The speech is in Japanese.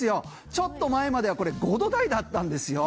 ちょっと前までは、これ５度台だったんですよ。